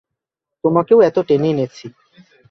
তোমাকেও এতে টেনে এনেছি।